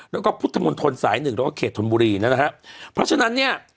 แล้วก็พุทธมนตรสายหนึ่งแล้วก็เขตธนบุรีนะฮะเพราะฉะนั้นเนี่ย